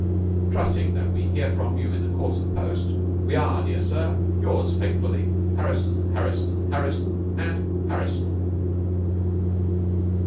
"Trusting that we hear from you in the course of post. We are, dear Sir, Yours faithfully, Harrison, Harrison, Harrison, & Harrison."